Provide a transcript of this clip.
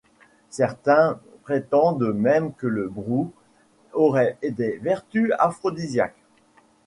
Certains prétendent même que le brous aurait des vertus aphrodisiaques.